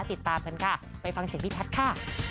ติดตามกันค่ะไปฟังเสียงพี่แพทย์ค่ะ